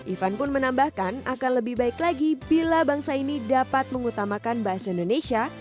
ivan pun menambahkan akan lebih baik lagi bila bangsa ini dapat mengutamakan bahasa indonesia